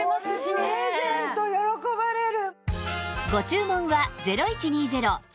これプレゼント喜ばれる。